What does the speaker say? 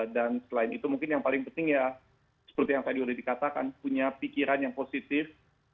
dan selain itu mungkin yang paling penting ya seperti yang tadi sudah dikatakan punya pikiran yang positif